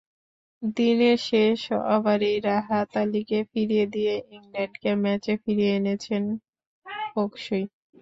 দিনের শেষ ওভারেই রাহাত আলীকে ফিরিয়ে দিয়ে ইংল্যান্ডকে ম্যাচে ফিরিয়ে এনেছেন ওকসই।